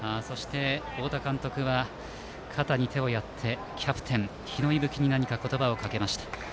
太田監督は肩に手をやってキャプテンの日野勇吹に何か言葉をかけました。